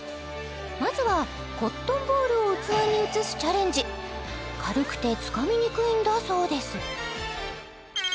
まずはコットンボールを器に移すチャレンジ軽くてつかみにくいんだそうです